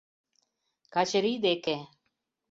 Качыри деке.